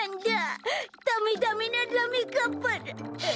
ダメダメなダメカッパだ。